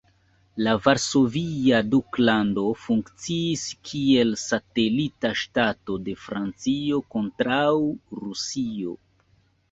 La Varsovia Duklando funkciis kiel satelita ŝtato de Francio kontraŭ Rusio.